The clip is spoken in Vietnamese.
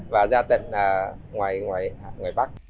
và ra tận ngoài bắc